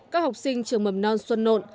các học sinh trường mầm non xuân nộn